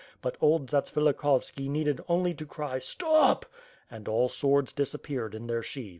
But old Zatsvilikhovski needed only to cry "Stop I" and all swords disappeared in their sheaths.